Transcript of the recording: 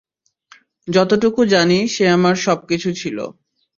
যতটুকু জানি সে আমার সবকিছু ছিল।